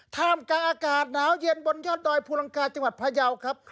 ท่ามกลางอากาศหนาวเย็นบนยอดดอยภูลังกาจังหวัดพยาวครับ